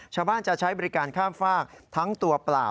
ชาวบ้านจะใช้บริการข้ามฝากทั้งตัวเปล่า